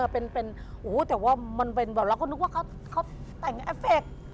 นี่บุ๋มเออเป็นโอ้โหแต่ว่ามันเป็นแบบเราก็นึกว่าเขาแต่งเอฟเฟค